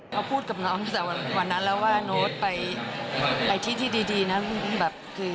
เราพูดกับน้องตั้งแต่วันนั้นแล้วว่าโน๊ตไปที่ดีนะ